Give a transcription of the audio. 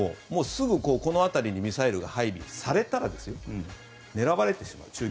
もう、すぐこの辺りにミサイルが配備されたら狙われてしまう。